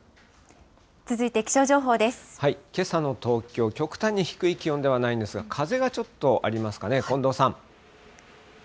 けさの東京、極端に低い気温ではないんですが、風がちょっとありますかね、近藤さん。